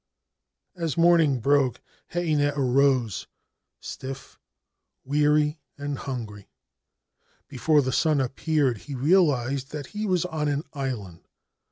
As morning broke Heinei arose stiff, weary, and hungry. Before the sun appeared he realised that he was on an island.